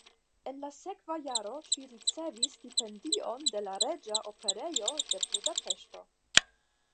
En la sekva jaro ŝi ricevis stipendion de la Reĝa Operejo de Budapeŝto.